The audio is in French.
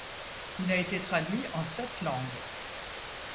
Il a été traduit en sept langues.